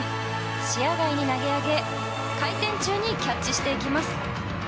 視野外に投げ上げ回転中にキャッチしていきます。